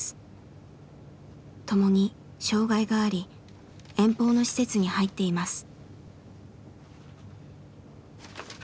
ともに障害があり遠方の施設に入っています。